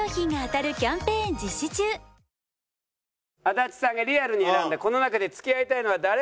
足立さんがリアルに選んだこの中で付き合いたいのは誰？